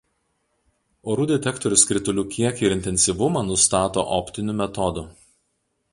Orų detektorius kritulių kiekį ir intensyvumą nustato optiniu metodu.